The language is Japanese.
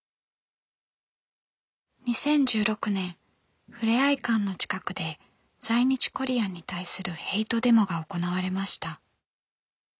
２０１６年ふれあい館の近くで在日コリアンに対するヘイトデモが行われました。